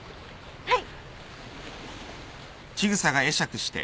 はい。